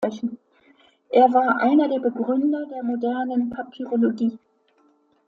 Er war einer der Begründer der modernen Papyrologie.